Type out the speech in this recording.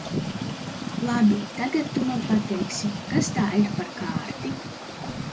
Labi, tagad tu man pateiksi, kas tā ir par kārti?